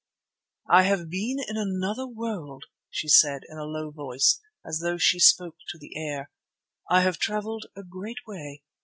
"I have been in another world," she said in a low voice as though she spoke to the air, "I have travelled a great way.